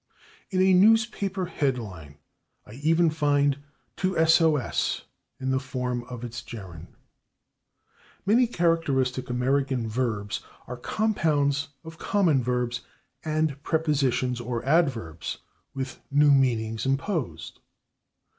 In a newspaper headline I even find /to s o s/, in the form of its gerund. Many characteristic American verbs are compounds of common verbs and prepositions or adverbs, with new meanings imposed.